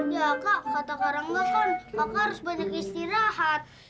ya kak kata karangga kan kakak harus banyak istirahat